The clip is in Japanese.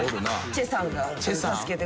チェさんが助けてくれて。